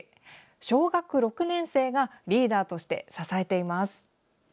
小学６年生がリーダーとして支えています。